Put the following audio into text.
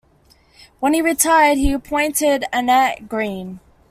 When he retired he appointed Anette Greene.